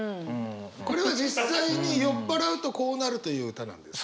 これは実際に酔っ払うとこうなるという歌なんですか？